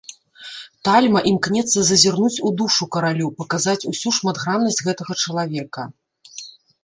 Тальма імкнецца зазірнуць у душу каралю, паказаць усю шматграннасць гэтага чалавека.